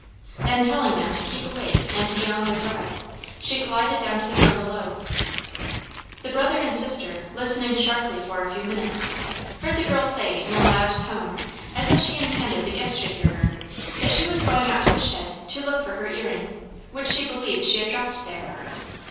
Then, telling them to keep awake and be on their guard, she glided down to the room below. The brother and sister, listening sharply for a few minutes, heard the girl say in a loud tone, as if she intended the guests should hear her, that she was going out to the shed to look for her ear ring, which she believed she had dropped there.